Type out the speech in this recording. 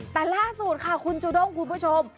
แต่ล่าสุดค่ะคุณจูด้งคุณผู้ชม